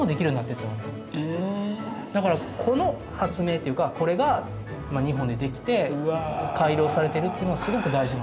だからこの発明というかこれがまあ日本でできて改良されてるっていうのはすごく大事なこと。